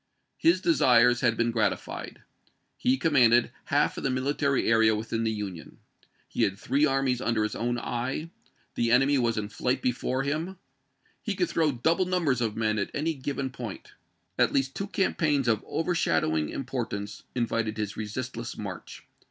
His desires had been gratified. He commanded half of the military area within the Union ; he had three armies under his own eye ; the enemy was in flight before him ; he HALLECK'S CORINTH CAMPAIGN 351 could throw double numbers of meu at any given chap.xix. point. At least two campaigns of overshadowing importance invited his resistless march.